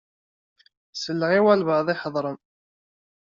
Selleɣ i walebɛaḍ i iheddṛen.